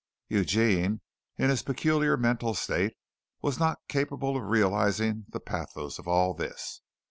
Eugene in his peculiar mental state was not capable of realizing the pathos of all this.